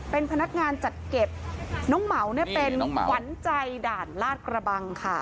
เป็นพนักงานจัดเก็บน้องเหมาเนี่ยเป็นขวัญใจด่านลาดกระบังค่ะ